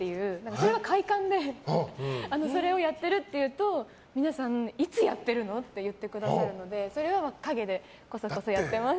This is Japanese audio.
それが快感でそれをやってるって言うと皆さん、いつやってるのって言ってくださるのでそれは陰でこそこそやってます。